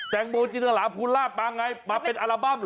แจงโมจีนตราพุระมาเป็นอัลบั้มหรอ